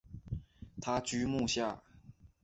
他居墓下。